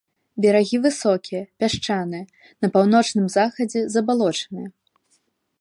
Берагі высокія, пясчаныя, на паўночным захадзе забалочаныя.